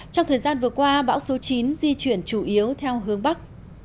trong thời gian vừa qua bão số chín di chuyển chủ yếu theo hướng bắc